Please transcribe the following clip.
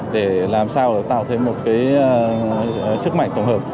để làm sao tạo thêm một sức mạnh tổng hợp